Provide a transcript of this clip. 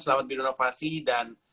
selamat berinovasi dan